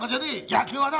野球はな